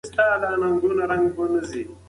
ثمرګل وویل چې موږ باید د خدای په رضا خوښ اوسو.